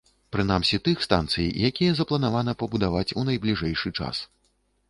Прынамсі тых станцый, якія запланавана пабудаваць у найбліжэйшы час.